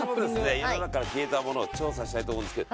世の中から消えたものを調査したいと思うんですけど。